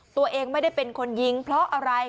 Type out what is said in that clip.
ตัวเองไม่ได้เป็นคนยิงเพราะอะไร